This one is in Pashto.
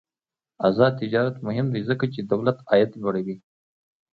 آزاد تجارت مهم دی ځکه چې دولت عاید لوړوي.